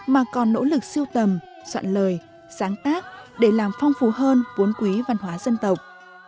mà còn nỗ lực siêu tầm soạn lời sáng tác để làm phong phú hơn vốn quý văn hóa dân tộc